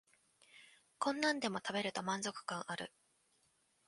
こんなんでも食べると満足感ある